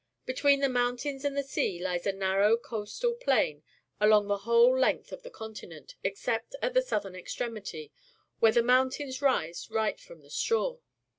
Between the mountains and the sea lies a narrow coastal plain along the whole length of the continent , except at the southern ex tremity, where the mountains rise right from the shore.